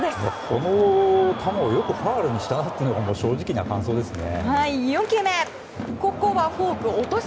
この球をよくファウルにしたなっていうのが正直な感想ですね。